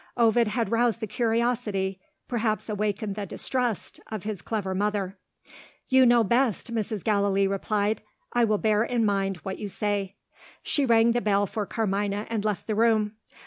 Ovid had roused the curiosity perhaps awakened the distrust of his clever mother. "You know best," Mrs. Gallilee replied; "I will bear in mind what you say." She rang the bell for Carmina, and left the room.